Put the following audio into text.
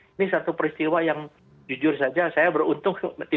ini satu peristiwa yang jujur saja saya beruntung